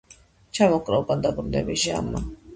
ჩამოჰკრა უკან დაბრუნების ჟამმა